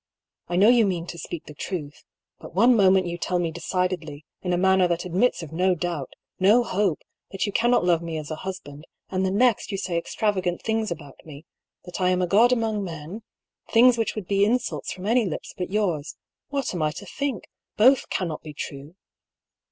"I know you mean to speak the truth. But one moment you tell me decidedly, in a manner that admits of no doubt, no hope, that you cannot love me as a husband, and the next you say extravagant things about me — that I am a god among men — things which would be insults from any lips but yours. What am I to think ? Both cannot be true."